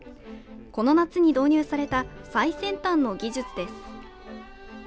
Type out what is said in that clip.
この夏に導入された最先端の技術です。